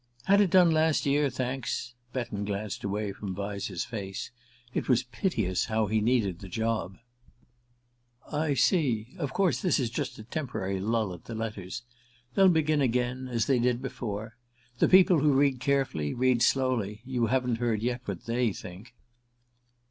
"Had it done last year, thanks." Betton glanced away from Vyse's face. It was piteous, how he needed the job! "I see. ... Of course this is just a temporary lull in the letters. They'll begin again as they did before. The people who read carefully read slowly you haven't heard yet what they think."